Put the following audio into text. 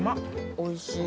おいしい。